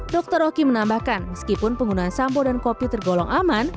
dr rocky menambahkan meskipun penggunaan sambo dan kopi tergolong aman